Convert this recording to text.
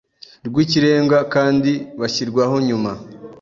rw Ikirenga kandi bashyirwaho nyuma